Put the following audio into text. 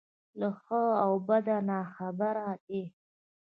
له ښه او بده ناخبره دی.